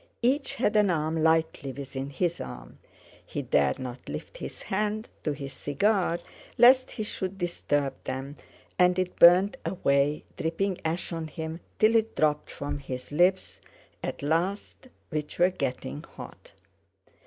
Each had an arm lightly within his arm; he dared not lift his hand to his cigar lest he should disturb them, and it burned away, dripping ash on him, till it dropped from his lips, at last, which were getting hot.